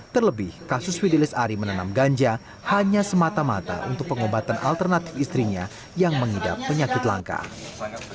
terlebih kasus fidelis ari menanam ganja hanya semata mata untuk pengobatan alternatif istrinya yang mengidap penyakit langka